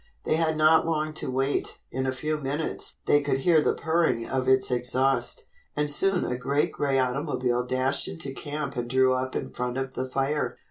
They had not long to wait. In a few minutes they could hear the purring of its exhaust, and soon a great gray automobile dashed into camp and drew up in front of the fire.